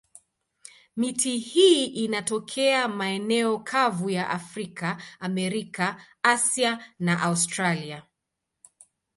Miti hii inatokea maeneo kavu ya Afrika, Amerika, Asia na Australia.